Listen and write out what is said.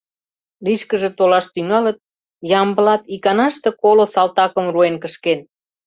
Лишкыже толаш тӱҥалыт — Ямблат иканаште коло салтакым руэн кышкен.